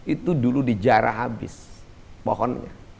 itu dulu dijarah habis pohonnya